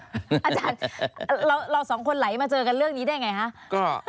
อาจารย์เราสองคนไหลมาเจอกันเรื่องนี้ได้ไงคะ